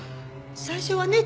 最初はね